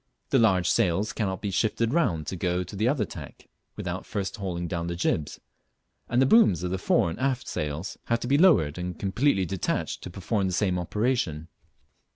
The large sails cannot be shifted round to go on the other tack without first hauling down the jibs, and the booms of the fore and aft sails have to be lowered and completely detached to perform the same operation.